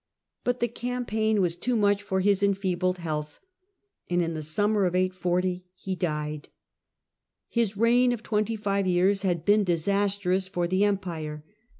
But the campaign was too much for his enfeebled health, and in the summer of 840 he died. His reign of twenty five years had been disastrous for the Empire.